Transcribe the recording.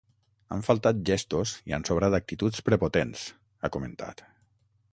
Han faltat gestos i han sobrat actituds prepotents, ha comentat.